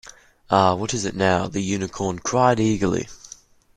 ‘Ah, what is it, now?’ the Unicorn cried eagerly.